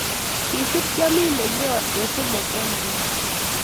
Kisiir teamit nenyo eng somok eng agenge